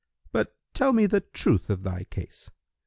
But tell me the truth of thy case.